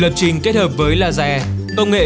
lập trình kết hợp với laser công nghệ